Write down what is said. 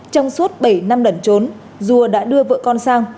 trong suốt bảy năm lẩn trốn dua đã đưa vợ con sang